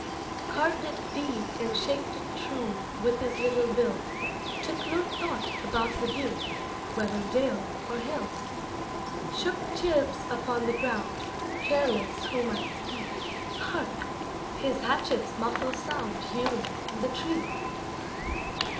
Carved it deep and shaped it true With his little bill; Took no thought about the view, Whether dale or hill. Shook the chips upon the ground, Careless who might see. Hark! his hatchet's muffled sound Hewing in the tree.